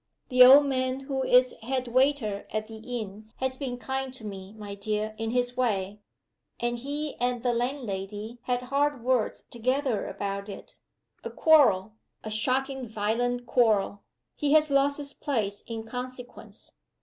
The old man who is head waiter at the inn has been kind to me, my dear, in his way, and he and the landlady had hard words together about it. A quarrel, a shocking, violent quarrel. He has lost his place in consequence.